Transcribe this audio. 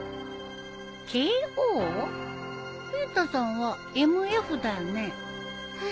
冬田さんは「Ｍ・Ｆ」だよね？